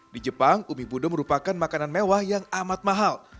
di jepang umi buddha merupakan makanan mewah yang amat mahal